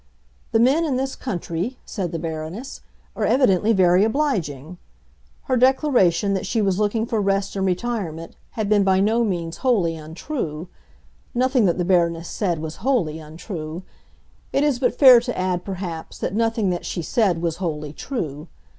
The men in this country, said the Baroness, are evidently very obliging. Her declaration that she was looking for rest and retirement had been by no means wholly untrue; nothing that the Baroness said was wholly untrue. It is but fair to add, perhaps, that nothing that she said was wholly true.